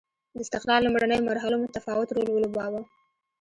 د استقلال لومړنیو مرحلو متفاوت رول ولوباوه.